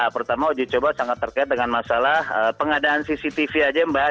pertama uji coba sangat terkait dengan masalah pengadaan cctv aja mbak